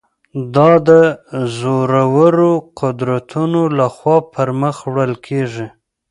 دا د زورورو قدرتونو له خوا پر مخ وړل کېږي.